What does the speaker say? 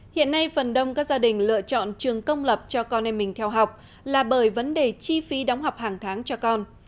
hiện nay phần đông các gia đình lựa chọn trường công lập cho con em mình theo học là bởi vấn đề chi phí đóng học hàng tháng cho con